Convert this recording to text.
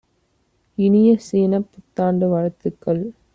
இனிய சீனப் புத்தாண்டு வாழ்த்துக்கள்!